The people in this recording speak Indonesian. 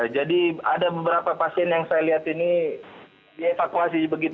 jadi ada beberapa pasien yang saya lihat ini dievakuasi begitu mas